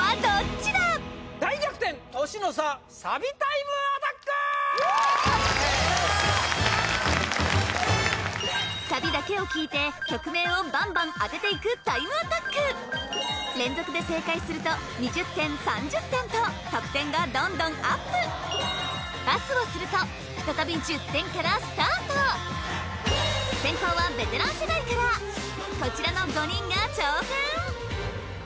年の差サビタイムアタックサビだけを聴いて曲名をバンバン当てていくタイムアタック連続で正解すると２０点３０点と得点がどんどんアップ先攻はベテラン世代からこちらの５人が挑戦